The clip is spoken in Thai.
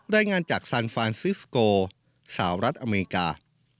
ด้วยงานจากสานฟรานซิสโกสหรัฐอเมริกา